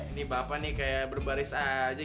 ini bapak nih kayak berbaris aja